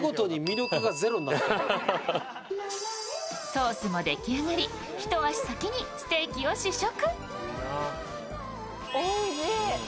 ソースも出来上がり、一足先にステーキを試食。